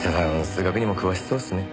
数学にも詳しそうですね。